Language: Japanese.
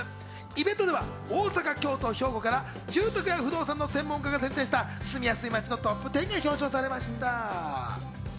イベントでは大阪、京都、兵庫から住宅や不動産の専門家が選定した住みやすい街のトップテンが表彰されました。